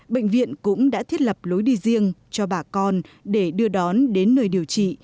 bệnh viện cũng đã thiết lập lối đi riêng cho bà con để đưa đón đến nơi điều trị